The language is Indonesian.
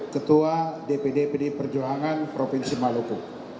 ketua dpd pdi perjuangan provinsi maluku